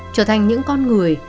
trở thành những con người